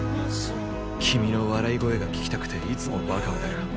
君の笑い声が聞きたくていつもバカをやる。